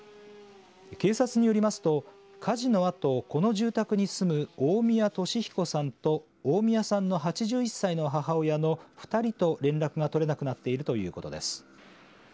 警察によりますと火事のあと、この住宅に住む大宮紀彦さんと大宮さんの８１歳の母親の２人と連絡が取れなくなっているということです。